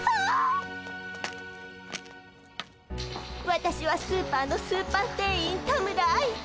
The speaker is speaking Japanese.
私はスーパーのスーパー店員田村愛。